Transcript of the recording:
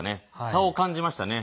差を感じましたね。